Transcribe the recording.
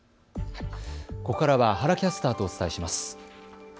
ここからは原キャスターとお伝えします。